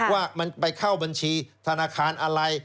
ว่ามันไปเข้าบัญชีธนาคารอะไร